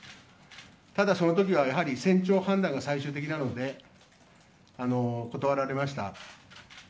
ただ、その時は船長判断が最終的なので断られました。